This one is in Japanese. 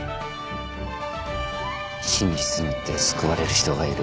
真実によって救われる人がいる。